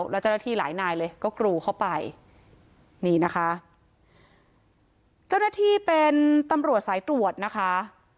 แล้วเจ้าหน้าที่หลายนายเลยก็กรูเข้าไปนี่นะคะเจ้าหน้าที่เป็นตำรวจสายตรวจนะคะ